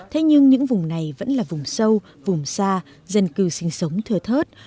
thế nhưng những vùng này vẫn là vùng sâu vùng xa dân cư sinh sống thừa thớt